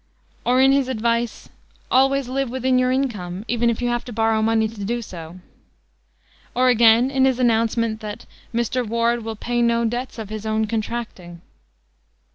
Or in his advice, "Always live within your income, even if you have to borrow money to do so;" or, again, in his announcement that, "Mr. Ward will pay no debts of his own contracting."